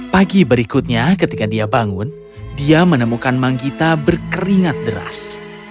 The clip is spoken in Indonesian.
pagi berikutnya ketika dia bangun dia menemukan manggita berkeringat deras